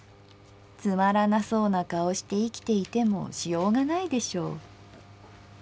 つまらなそうな顔して生きていてもしようがないでしょ」。